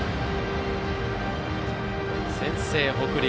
先制、北陸。